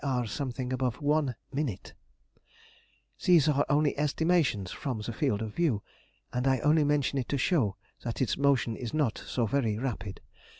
R. something above 1ʹ. These are only estimations from the field of view, and I only mention it to show that its motion is not so very rapid.